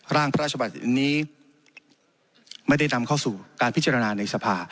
ร่างพระราชบัตินี้ไม่ได้นำเข้าสู่การพิจารณาในสภา